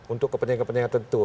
untuk kepentingan kepentingan tentu